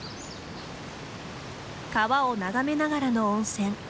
川を眺めながらの温泉。